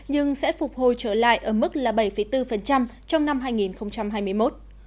nhưng sẽ phục hồi trở lại ở mức là bảy bốn trong năm hai nghìn hai mươi một